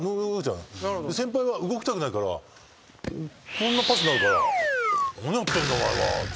先輩は動きたくないからこんなパスになるから「何やってんだお前は！」って。